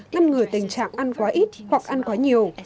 ngăn ngừa tình trạng ăn quá ít hoặc ăn quá nhiều